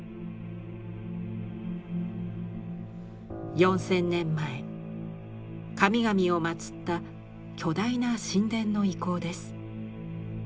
４，０００年前神々を祀った巨大な神殿の遺構です。